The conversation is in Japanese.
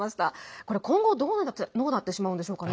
これ、今後どうなってしまうんでしょうかね。